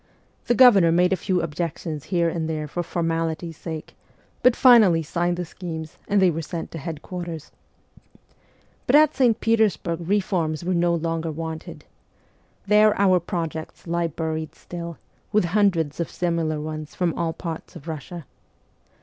The Governor made a few objections here and there for formality's sake, but finally signed the schemes, and they were sent to headquarters. But at St. Petersburg reforms were no longer wanted. There our projects lie buried still, with hundreds of similar ones from all parts of Kussia.